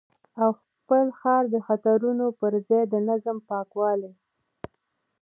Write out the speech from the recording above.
او خپل ښار د خطرونو پر ځای د نظم، پاکوالي